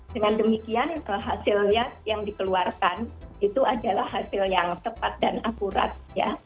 dengan demikian hasilnya yang dikeluarkan itu adalah hasil yang tepat dan akurat ya